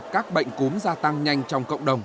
các bệnh cúm gia tăng nhanh trong cộng đồng